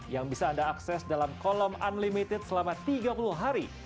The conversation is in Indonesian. yang bisa anda akses dalam kolom unlimited selama tiga puluh hari